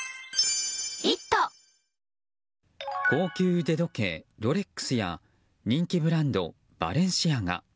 高級腕時計ロレックスや人気ブランド、バレンシアガ。